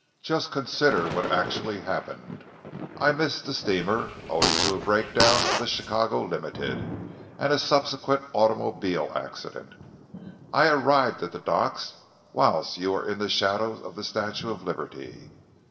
"Just consider what actually happened. I miss the steamer, owing to the breakdown of the Chicago Limited and a subsequent automobile accident. I arrive at the dock whilst you are in the shadow of the Statue of Liberty.